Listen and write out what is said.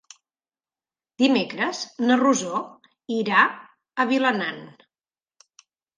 Dimecres na Rosó irà a Vilanant.